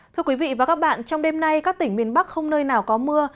thưa quý vị và các bạn trong đêm nay các tỉnh miền bắc không nơi nào có mưa